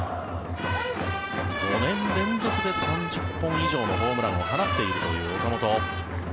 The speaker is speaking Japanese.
５年連続で３０本以上のホームランを放っているという岡本。